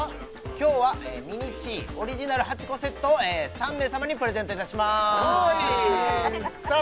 今日はｍｉｎｉｃｈｉｉオリジナル８個セットを３名様にプレゼントいたしますさあ